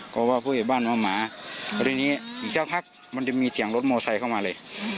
เพราะว่าผู้ใหญ่บ้านเอาหมาแล้วทีนี้อีกสักพักมันจะมีเสียงรถมอไซคเข้ามาเลย